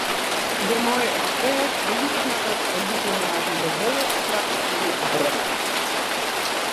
Dêr meie eksperts, beliedsmakkers en diplomaten de holle straks oer brekke.